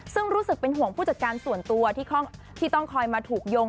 ซึ่งรู้สึกเป็นห่วงผู้จัดการส่วนตัวที่ต้องคอยมาถูกโยง